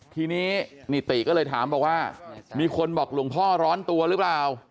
ทีนี้นิติก็เลยถามบอกว่ามีคนบอกหลวงพ่อร้อนตัวหรือเปล่า